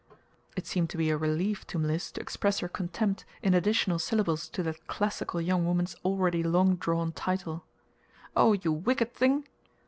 (It seemed to be a relief to Mliss to express her contempt in additional syllables to that classical young woman's already long drawn title.) "O you wicked thing!"